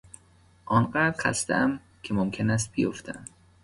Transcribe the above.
آنقدر خستهام که ممکن است بیفتم.